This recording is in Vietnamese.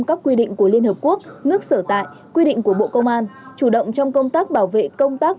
các quy định của liên hợp quốc nước sở tại quy định của bộ công an chủ động trong công tác bảo vệ công tác